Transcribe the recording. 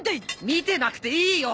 見てなくていいよ！